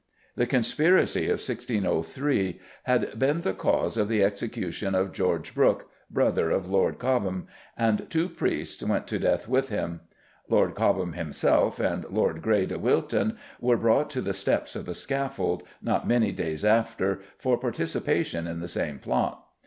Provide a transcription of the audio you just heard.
The conspiracy of 1603 had been the cause of the execution of George Brook, brother of Lord Cobham, and two priests went to death with him. Lord Cobham himself, and Lord Grey de Wilton, were brought to the steps of the scaffold not many days after, for participation in the same plot.